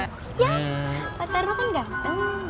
ya pak tarma kan ganteng